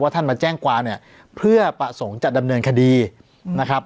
ท่านมาแจ้งความเนี่ยเพื่อประสงค์จะดำเนินคดีนะครับ